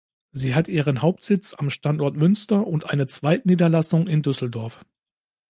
Sie hat ihren Hauptsitz am Standort Münster und eine Zweigniederlassung in Düsseldorf.